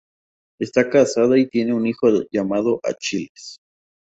Está casada y tiene un hijo llamado Achilles.